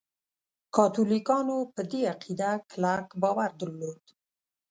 کاتولیکانو په دې عقیده کلک باور درلود.